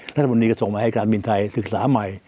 รัฐมนตรีก็ส่งมาให้การบินไทยศึกษาใหม่